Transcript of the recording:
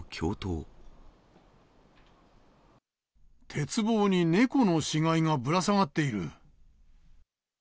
鉄棒に猫の死骸がぶら下がっている。